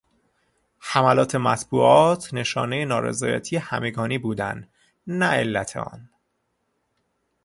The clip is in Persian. حملات مطبوعات نشانهی نارضایتی همگانی بودند نه علت آن.